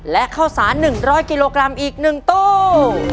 และข้าวสาร๑๐๐กิโลกรัมอีก๑ตู้